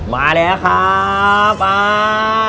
มาแล้วครับอ่า